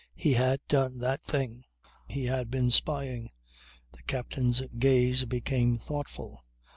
He had done that thing. He had been spying ... The captain's gaze became thoughtful.